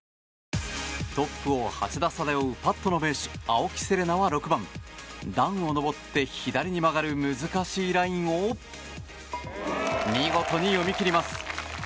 トップを８打差で追うパットの名手・青木瀬令奈は６番段を上って左に曲がる難しいラインを見事に読み切ります。